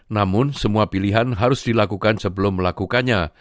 namun semua pilihan harus dilakukan sebelum melakukannya